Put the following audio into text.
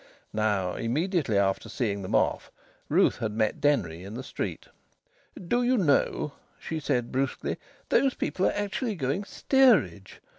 Now immediately after seeing them off Ruth had met Denry in the street. "Do you know," she said brusquely, "those people are actually going steerage?